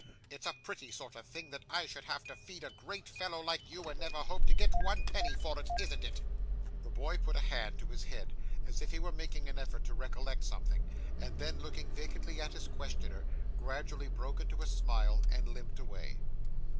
It's a pretty sort of thing that I should have to feed a great fellow like you, and never hope to get one penny for it, isn't it?' The boy put his hand to his head as if he were making an effort to recollect something, and then, looking vacantly at his questioner, gradually broke into a smile, and limped away.